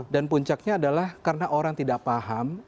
dan puncaknya adalah karena orang tidak paham